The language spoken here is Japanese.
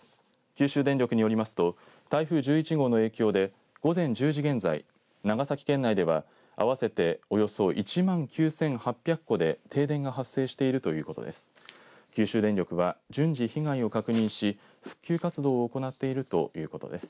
九州電力によりますと台風１１号の影響で午前１０時現在、長崎県内では合わせておよそ１万９８００戸で停電が発生しているということです。